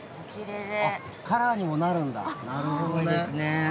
カラーにもなるんだ。